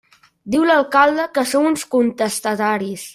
Diu l'alcalde que som uns contestataris.